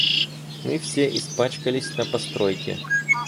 Мы все испачкались на постройке.